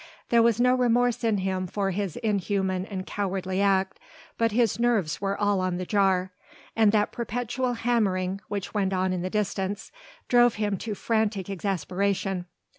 There was no remorse in him for his inhuman and cowardly act, but his nerves were all on the jar, and that perpetual hammering which went on in the distance drove him to frantic exasperation.